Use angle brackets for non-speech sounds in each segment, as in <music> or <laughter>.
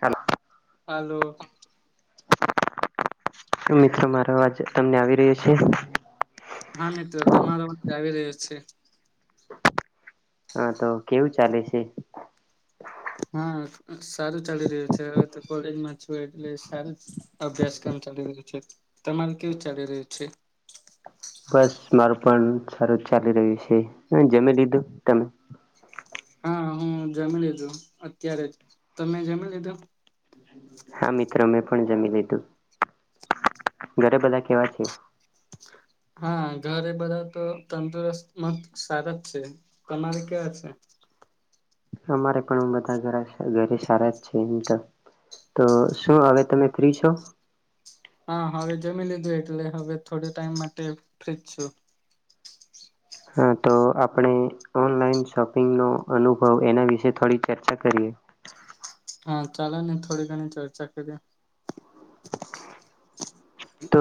હાલો આલો. મિત્રો મારો આવાજ તમને આવી રહ્યો છે. હા મિત્રો તમારા વચ્તે આવી રહ્યો છે. હા તો કેવું ચાલે છે. હા સારું ચાલી રહ્યું છે. હવે તો કોલેજમાં છે. એટલે સારું અભ્યાસક્રમ ચાલી રહ્યો છે. તમારે કેવું ચાલી રહ્યું છે. બસ મારું પણ સારું ચાલી રહ્યું છે. જમી લીધું તમે હા હું જમી લીધું અત્યારે તમે જમી લીધું. હા મિત્રો મેં પણ જમી લીધું ઘરે બધા કેવા છે. હા ઘરે બધા તો તંદુરસ્ત મત સારા જ છે. તમારે કેવા છે. અમારે પણ હ બધા ઘ ઘરે સારા જ છે. એમ તો તો શું હવે તમે ફ્રી છો. હા હવે જમી લીધું એટલે હવે થોડે ટાઈમ માટે ફ્રીજ છું. હા તો આપણે ઓનલાઈન શોપિંગનો અનુભવ એના વિશે થોડી ચર્ચા કરીએ. હ <unintelligible> હા ચાલો ને થોડી ઘણી ચર્ચા કરીએ તો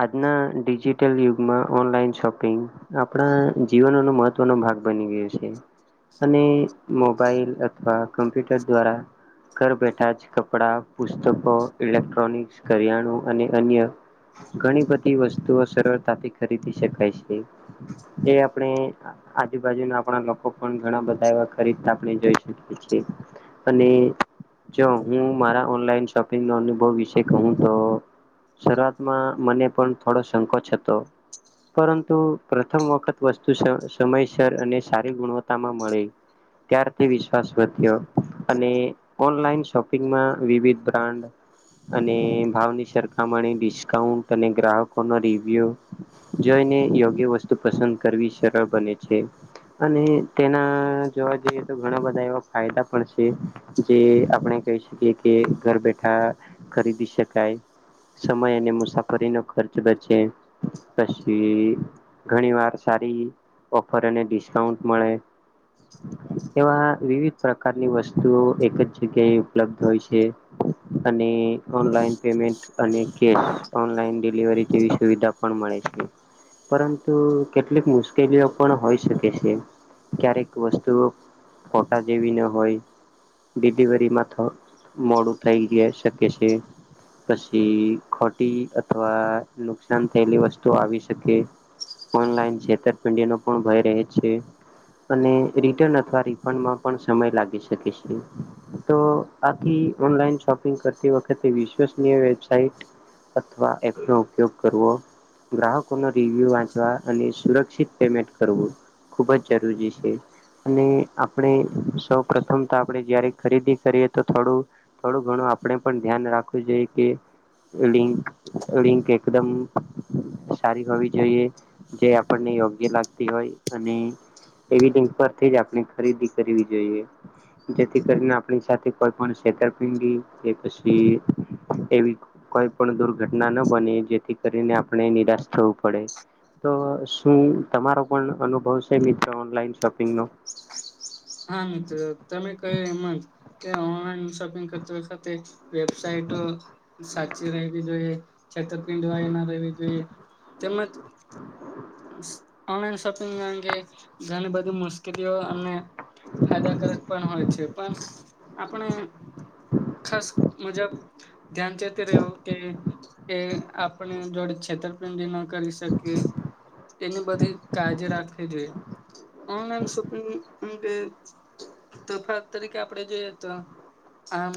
આજના ડિજિટલ યુગમાં ઓનલાઈન શોપિંગ આપણા જીવન નો મહત્વનો ભાગ બની ગયો છે. અને મોબાઈલ અથવા કમ્પ્યુટર દ્વારા ઘર બેઠા જ કપડાં પુસ્તકો ઇલેક્ટ્રોનિક્સ કરીયાણું અને અન્ય. હ <unintelligible> ઘણી બધી વસ્તુઓ સરળતાથી ખરીદી શકાય છે. એ આપણે આજુબાજુ ના આપણા લોકો પણ ઘણા બધા એવા ખરીદતા આપણે જોઈ શકીએ છીએ અને જો હું મારા ઓનલાઈન શોપિંગ ન અનુભવ વિશે કહું તો શરૂઆતમાં મને પણ થોડો સંકોચ હતો. પરંતુ પ્રથમ વખત વસ્તુ સમયસર અને સારી ગુણવત્તા માં મળી ત્યાર તે વિશ્વાસ વધ્યો અને ઓનલાઈન શોપિંગમાં વિવિધ બ્રાન્ડ અને ભાવની સરખામણી ડિસ્કાઉન્ટ અને ગ્રાહકોનો રિવ્યુ જોઈને યોગ્ય વસ્તુ પસંદ કરવી સરળ બને છે. અને તેના જોવા જઈએ તો ઘણા બધા એવા ફાયદા પણ છે. જે આપણે. કહી શકી કે ઘર બેઠા ખરીદી શકાય સમય અને મુસાફરીનો ઓ ખર્ચ બચે પછી ઘણી વાર સારી ઓફર અને ડિસ્કાઉન્ટ મળે એવા વિવિધ પ્રકારની વસ્તુઓ એક જ જગ્યાએ ઉપલબ્ધ હોય છે. અને ઓનલાઈન પેમેન્ટ અને કે ઓનલાઈન ડિલિવરી જેવી સુવિધા પણ મળે છે. પરંતુ કેટલીક મુશ્કેલીઓ પણ હોઈ શકે છે. ક્યારેક વસ્તુઓ ફોટા જેવી ન હોય. ડિલિવરીમાં થ મોડું થઈ ગિય શકે છે થશ એ ખોટી અથવા નુકસાન થયેલી વસ્તુ આવી શકે. ઓનલાઈન છેતરપિંડીનો પણ ભય રહે છે. અને રિટર્ન અથવા રિફંડમાં પણ સમય લાગી શકે છે તો આખી ઓનલાઈન શોપિંગ કરતી વખતે વિશ્વસનીય વેબસ સાઇટ અથવા એપ નો ઉપયોગ કરવો. ગ્રાહકો ના રિવ્યુ વાંચવા અને સુરક્ષિત પેમેન્ટ કરવું ખુબજ જરૂરી છે. અને આપણે સૌ પ્રથમ તો આપડે જયારે ખરીદી કરીએ તો થોડું થોડું ઘણું આપણે પણ ધ્યાન રાખવું જોઈએ કે લિંક લિંક એકદમ સારી હોવી જોઈએ જે આપણને યોગ્ય લાગતી હોય અને એવી લિંક પરથી જ આપણે ખરીદી કરવી જોઈએ. જેથી કરીને આપણી સાથે કોઈ પણ છેતરપિંડી કે પછી એવી કોઈ પણ દુર્ઘટના ન બને જેથી કરીને આપણે નિરાશ થવું પડે. તો શું તમારો પણ અનુભવ છે મિત્ર ઓનલાઈન શોપિંગ નો? હા, મિત્ર તમે કહ્યું એમ જ કે ઓનલાઈન શોપિંગ કરતી વખતે વેબસાઇટો સાચી રેહવી જોઈએ. છેતરપીંડ વાયી ના રેવી જોઈએ તેમજ ઓનલાઈન શોપિંગ અંગે ઘણી બધી મુશ કેલીઓ અને ફાયદાકારક પણ હોય છે, પણ આપણે ખાસ મુજબ ધ્યાન ચેતી રેવું કે કે આપણે જોડે છેતરપિંડી ન કરી શકે એની બધી કાળજી રાખવી જોઈએ. ઓનલાઈન શોપિંગ અંગે તફાવત તરીકે આપડે જોઈએ તો આમ,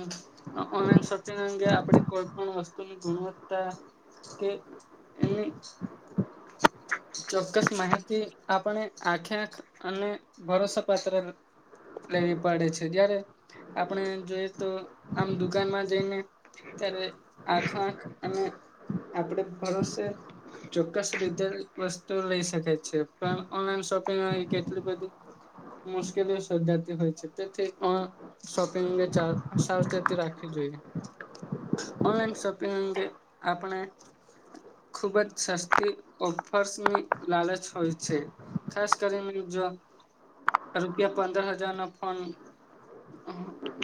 અ ઓનલાઈન શોપિંગ અંગે આપડે કોઈ પણ વસ્તુની ગુણવત્તા કે એની ચોક્કસ માહિતી આપણે આખે આખ અને ભરોસા પાત્ર લેવી પડે છે, જયારે આપણે જોઈએ તો આમ દુકાનમાં જઈને ત્યારે આખો આખ અને આપડે ભરોસે ચોક્કસ રીતે વસ્તુ લઈ શકે છે, પણ ઓનલાઈન શોપિંગ <unintelligible> કેટલી બધી મુશ્કેલીઓ સર્જાતી હોય છે, તેથી ઓન શોપિંગ ની ચા સાવચેતી રાખી જોઈએ ઓનલાઈન શોપિંગ અંગે આપણે ખુબ જ <unintelligible> ફર્શની લાલચ હોય છે, ખાસ કરીને જો રૂપિયા પંદર હજાર નો ફોન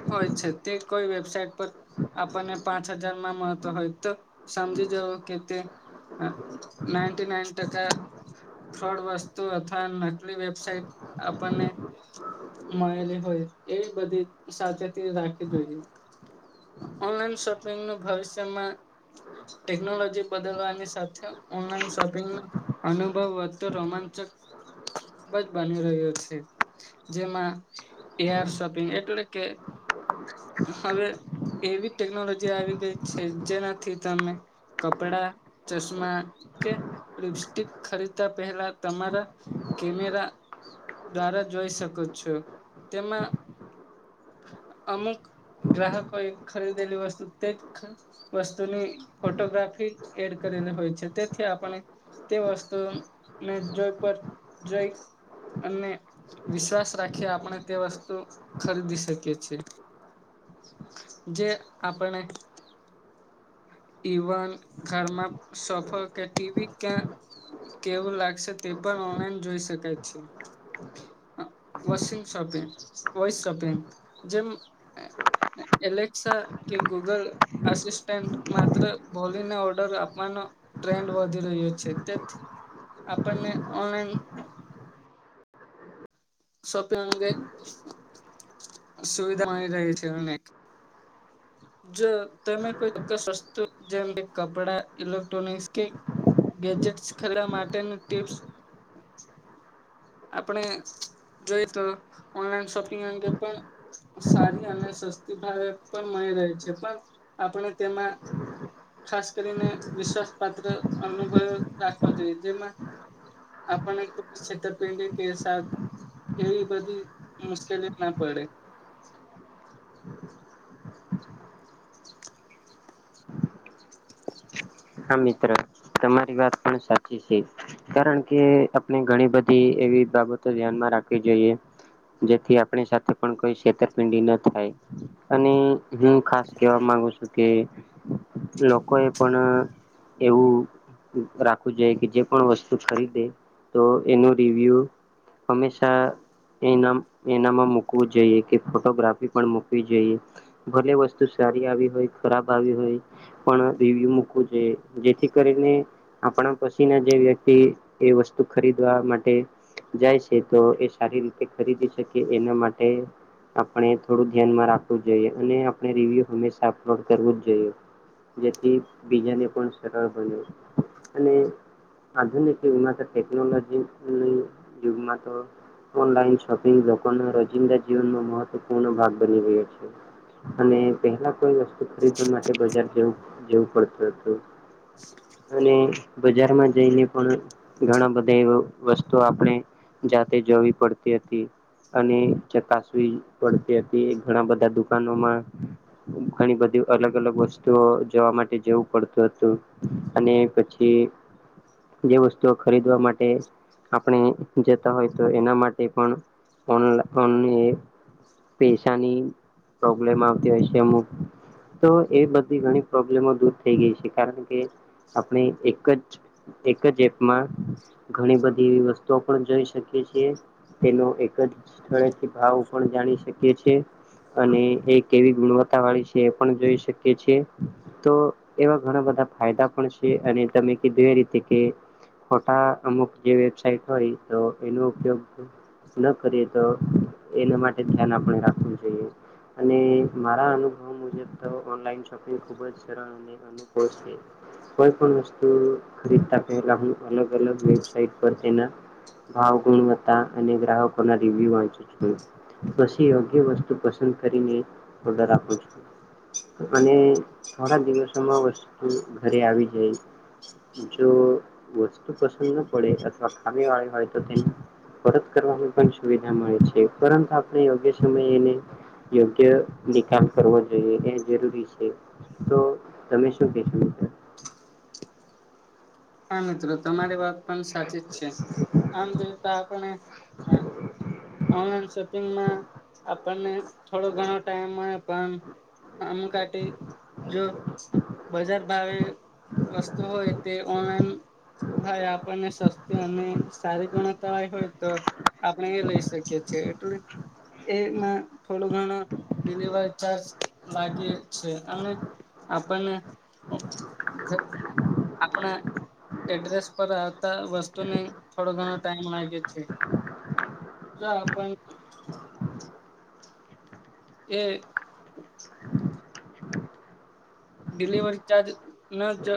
હોય છે, તે કોઈ વેબસાાઈટ પર આપણને પાંચ હજાર માં મળતો હોય તો સમજી જવું કે તે હ નાઈન્ટી નાઈન ટકા થર્ડ વસ્તુ અથવા નકલી વેબસાઇટ આપણને મયેલી હોય એવી બધી સાવચેતી રાખવી જોઈએ. ઓનલાઈન શોપિંગ નું ભવિષ્યમાં ટેકનોલોજી બદલવાની સાથે ઓનલાઈન શોપિંગ નો અનુભવ વધતો રોમાંચ <unintelligible> ખૂબ જ બની રહ્યો છે, જેમાં એર શોપિંગ એટલે કે હવે એવી ટેકનોલોજી આવી ગઈ છે, જેનાથી તમે કપડા ચશ્મા કે લિપસ્ટિક ખરીદતા પહેલા <unintelligible> કેમેરા દ્વારા જોઈ શકો છો તેમાં. અમુક ગ્રાહક. કોઈ ખરીદેલી વસ્તુ તેજ <unintelligible> વસ્તુની ફોટોગ્રાફી એડ કરેલી હોય છે. તેથી આપણે તે વસ્તુને જોઈ પણ જોઈ અને વિશ્વાસ રાખી આપણે તે વસ્તુ ખરીદી શકીએ છીએ. જે આપણે. ઇવન ઘરમાં સફર કે ટીવી કે. કેવું લાગશે તે પણ ઓનલાઈન જોઈ શકાય છે. વોશિંગ શોપિંગ વોઇસ શોપિંગ જેમ. એલેક્ષા કે ગૂગલ આસિસ્ટન્ટ માત્ર બોલીને ઓર્ડર આપવાનો. ટૈન્ડ વધી રહ્યો છે, તેથી આપણને ઓનલાઈન. શોપિંગ અંગે સુવિધા મળી રહી છે, અને જો તમે કોઈ ચોક્કસ વસ્તુ જેમ કે કપડા ઇલેક્ટ્રોનિકસ કે. ગેજેટ્સ <unintelligible> માટેનુ ટીપ્સ. આપણે. જોઈ તો ઓનલાઈન શોપિંગ અંગે પણ સારી અને સસ્તી ભાવે પણ છે, પણ આપણે તેમાં. ખાસ કરીને વિશ્વાસ પાત્ર અનુભવ રાખવા જોઈએ જેમાં. આપણે એક પ કે સા એવી બધી મુશ્કેલી ના પડે હા મિત્ર તમારી વાત પણ સાચી છે કારણ કે આપણે ઘણી બધી એવી બાબતો ધ્યાનમાં રાખવી જોઈએ જેથી આપણી સાથે પણ કોઈ છેતરપિંડી ન થાય અને હું ખાસ કેવામાં કે લોકો એ પણ એવું રાખવું જોઈ કે જે પણ વસ્તુ ખરીદે તો એનું રિવ્યુ હંમેશા એ એનામાં મૂકવું જોઈએ કે ફોટોગ્રાફી પણ મૂકવી જોઈએ ભલે વસ્તુ સારી આવી હોય ખરાબ આવી હોય પણ રિવ્યુ મુકવું જેથી કરીને આપણા પછીના જે વ્યક્તિ એ વસ્તુ ખરીદવા માટે જાય છે તો એ સારી રીતે ખરીદી શકે એના માટે આપણે થોડું ધ્યાનમાં રાખવું જોઈએ અને આપણે રિવ્યુ હંમેશા અપલોડ કરવું જ જોઈએ જેથી બીજાને પણ સરળ બને અને આધુનિક યુગમાં તો ટેકનોલોજીની યુગમાં તો ઓનલાઈન શોપિંગ લોકોના રોજિંદા જીવનનો મહત્વપૂર્ણ ભાગ બની રહ્યો છે અને પહેલા કોઈ વસ્તુ ખરીદવા માટે બજાર જવું જવું પડતું હતું અને બજારમાં જઈને પણ ઘણા બધા એ વસ્તુ આપણે જાતે જોવી પડતી હતી અને ચકાસવી પડતી હતી ઘણા બધા દુકાનોમાં ઘણી બધી અલગ અલગ વસ્તુઓ જોવા માટે જવું પડતું હતું અને પછી જે વસ્તુઓ ખરેખર માટે આપણે જતા હોય તો એના માટે પણ ઓનન પૈસાની પ્રોબ્લેમ આવતી હોય છે અમુક તો એ બધી ઘણી પ્રોબ્લમો ને દૂધ થઈ ગઈ છે કારણ કે આપણે એક જ એક જ એપમાં ઘણી બધી એવી વસ્તુઓ પણ જોઈ શકીએ છીએ તેનો એક જ સ્થળેથી ભાવ પણ જાણી શકીએ છીએ અને એ કેવી ગુણવત્તા વાળી છે એ પણ જોઈ શકીએ છીએ તો એવા ઘણાં બધાં ફાયદા પણ છે અને તમે કીધું એ રીતે કે. ખોટા અમુક જે વેબસાાઈટ હોય તો એનો ઉપયોગ. ન કરીએ તો એના માટે ધ્યાન આપણે રાખવું જોઈએ. અને મારા અનુભવ મુજબ તો ઓનલાઈન શોપિંગ ખૂબ જ સર આમા કોષ કે. કોઈ પણ વસ્તુ ખરીદતા પેહલા હું અલગ અલગ વેબસાઇટ પર તેના ભાવ ગુણવત્તા અને ગ્રાહકોનાં રિવ્યુ વાંચુ છું. પછી યોગ્ય વસ્તુ પસંદ કરીને ઓડર રાખું છું. અને થોડા દિવસોમાં વસ્તુ ઘરે આવી જાય. જો વસ્તુ પસંદ ન પડે અથવા ખામી વાળી હોય તો તેમ પરત કરવાની પણ સુવિધા મળે છે પરંતુ આપણે યોગ્ય સમય એને યોગ્ય નિકાલ કરવો જોઈએ એ જરૂરી છે તો તમે શું કેશો મિત્ર? હા, મિત્રો તમારી વાત પણ સાચી જ છે આમ જોતા આપણને અ. ઓનલાઈન શોપિંગમાં આપણને થોડો ઘણો ટાઈમ મળે પણ આમુકાટે જો બજાર ભાવે વસ્તુ હોય તે ઓનલાઈન <inaudible> ભાઈ આપણને સસ્તી અને સારી ગુણત્તાવાય હોય તો. આપણે એ લઈ શકીએ છે એટલે એમાં થોડું ઘણું ડિલેવર ચાર્જ લાગે છે અને આપણને <unintelligible> આપણાં. એડ્રેસ પર આવતા વસ્તુને થોડો ઘણો ટાઈમ લાગે છે. દાપણ. <inaudible> એ ડિલેવરી ચાર્જ નાજ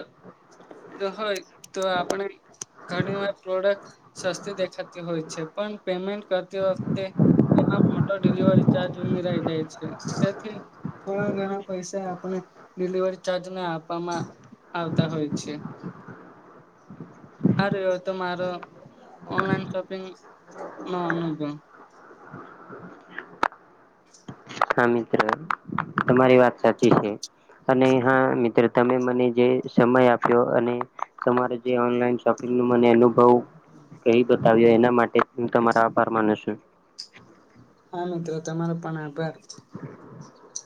<inaudible> હોય તો આપણે ઘણી વાર પ્રોડક્ટ સસ્તી દેખાતી હોય છે પણ પેમેન્ટ કરતી વખતે એમાં મોટો ડિલેવરી ચાર્જ ઉમેરાઈ જાય છે તેથી થોડા ઘણા પૈસા આપણે ડિલેવરી ચાર્જને આપવામાં આવતા હોય છે. અરે, એવો તો મારો ઓનલાઈન શોપિંગનો અનુભવ. હા, મિત્ર તમારી વાત સાચી છે. અને હા મિત્ર તમે મને જે સમય આપ્યો અને તમારો જે ઓનલાઈન શોપિંગનું મને એનું બહુ કેય બતાવી એના માટે હું તમારા આભાર માનું છું. હા, મિત્ર તમારો પણ આભાર. <inaudible>